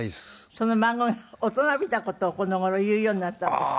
その孫が大人びた事をこの頃言うようになったんですって？